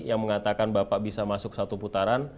yang mengatakan bapak bisa masuk satu putaran